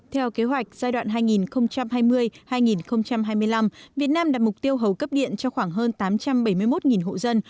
theo kế hoạch giai đoạn hai nghìn hai mươi hai nghìn hai mươi năm việt nam đặt mục tiêu hầu cấp điện cho khoảng hơn tám trăm bảy mươi một hộ dân